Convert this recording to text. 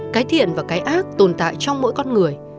cái thiện và cái ác tồn tại trong mỗi con người